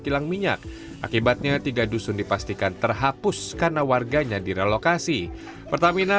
kilang minyak akibatnya tiga dusun dipastikan terhapus karena warganya direlokasi pertamina